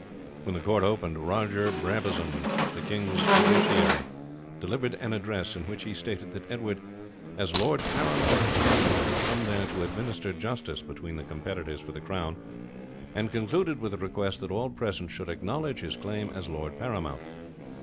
"When the court opened, Roger Brabazon, the king's justiciary, delivered an address, in which he stated that Edward, as lord paramount of Scotland, had come there to administer justice between the competitors for the crown, and concluded with the request that all present should acknowledge his claim as lord paramount.